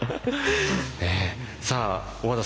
さあ小和田さん